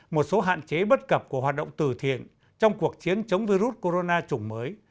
một số hạn chế bất cập của hoạt động từ thiện trong cuộc chiến chống virus corona chủng mới